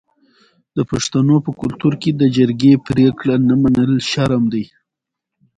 د پښتنو په کلتور کې د جرګې پریکړه نه منل شرم دی.